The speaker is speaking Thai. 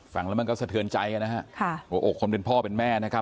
ฟังแล้วมันก็สะเทือนใจนะฮะค่ะหัวอกคนเป็นพ่อเป็นแม่นะครับ